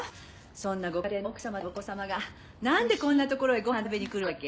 そんなご家庭の奥様とお子様がなんでこんなところへごはん食べにくるわけ？